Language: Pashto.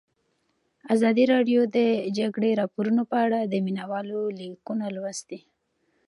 ازادي راډیو د د جګړې راپورونه په اړه د مینه والو لیکونه لوستي.